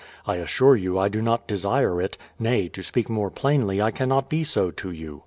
I assure j'ou I do not desire it, — nay, to speak more plainly, I cannot be so to you.